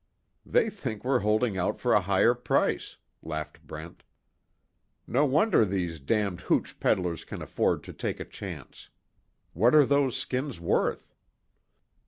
"They think we're holding out for a higher price," laughed Brent. "No wonder these damned hooch peddlers can afford to take a chance. What are those skins worth?"